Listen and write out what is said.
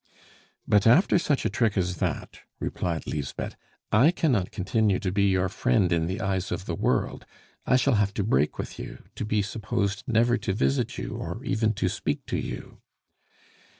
"But after such a trick as that," replied Lisbeth, "I cannot continue to be your friend in the eyes of the world; I shall have to break with you, to be supposed never to visit you, or even to speak to you."